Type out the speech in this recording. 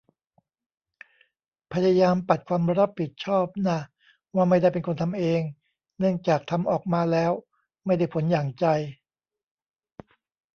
พยายามปัดความรับผิดชอบน่ะ ว่าไม่ได้เป็นคนทำเอง เนื่องจากทำออกมาแล้วไม่ได้ผลอย่างใจ